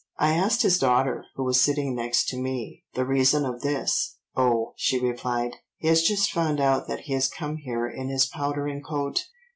I asked his daughter, who was sitting next to me, the reason of this. 'Oh,' she replied, 'he has just found out that he has come here in his powdering coat.